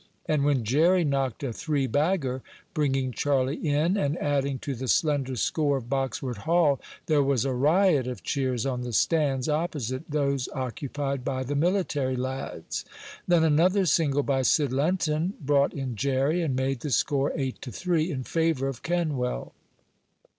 And when Jerry knocked a three bagger, bringing Charlie in, and adding to the slender score of Boxwood Hall, there was a riot of cheers on the stands opposite those occupied by the military lads. Then another single by Sid Lenton brought in Jerry, and made the score eight to three, in favor of Kenwell.